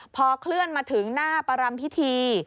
พอเคลื่อนมาถึงหน้าประรำพิธี